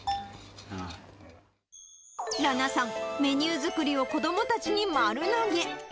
羅名さん、メニュー作りを子どもたちに丸投げ。